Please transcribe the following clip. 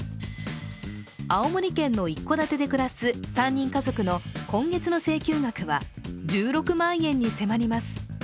青森県の一戸建てで暮らす３人家族の今月の請求額は１６万円に迫ります。